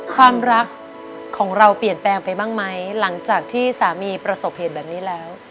ความรักของเราเปลี่ยนแปลงไปบ้างไหมหลังจากที่สามีประสบเหตุแบบนี้แล้ว